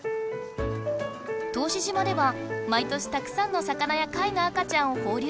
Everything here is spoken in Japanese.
答志島では毎年たくさんの魚や貝の赤ちゃんを放流している。